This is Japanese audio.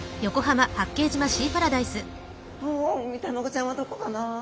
ウミタナゴちゃんはどこかな？